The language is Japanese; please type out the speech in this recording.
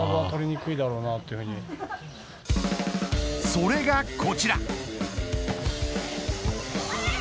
それがこちら。